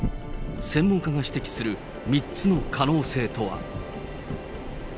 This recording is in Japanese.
専門家が指摘する３つの可能性とは。